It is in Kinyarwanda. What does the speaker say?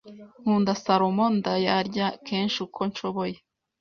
Nkunda salmon. Ndayarya kenshi uko nshoboye.